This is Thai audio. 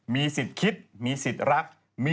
มีสิทธิ์คิดมีสิทธิ์รัก